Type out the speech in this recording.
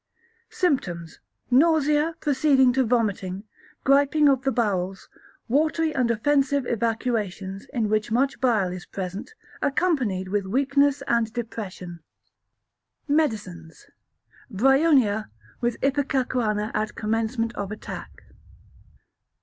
Symptoms. Nausea, proceeding to vomiting, griping of the bowels, watery and offensive evacuations, in which much bile is present, accompanied with weakness and depression. Medicines. Bryonia, with ipecacuanha at commencement of attack.